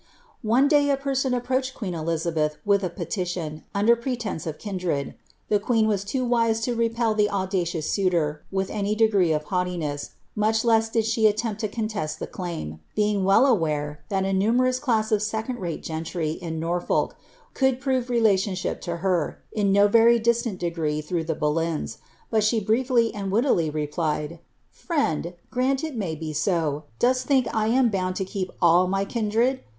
One day a person approached queen Elizabeth with a petition, under pretence of kindred. The queen waa too wise to repel the audacloui suitor with any degree of haughtiness, much less did she atlcmpi to con test the claim, being well aware that a numerous class of second rale gentry in Norfolk could prove relationship lo her, in no very distant degree, through the Boleyns, but she briefly and wittily replied, * FrienJ, grant it may be so. Dosl think 1 am bound to keep all my kindred!